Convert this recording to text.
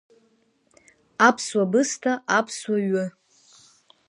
Аԥсуа бысҭа, аԥсуа ҩы…